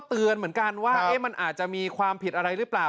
เตือนเหมือนกันว่ามันอาจจะมีความผิดอะไรหรือเปล่า